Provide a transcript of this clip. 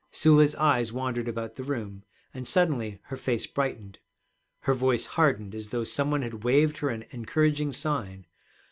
Sula's eyes wandered about the room, and suddenly her face brightened. Her voice hardened as though some one had waved her an encouraging sign.